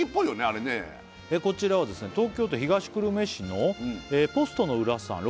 あれねこちらはですね東京都東久留米市のポストの裏さん